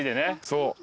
そう。